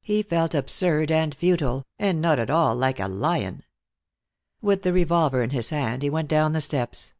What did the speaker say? He felt absurd and futile, and not at all like a lion. With the revolver in his hand, he went down the steps.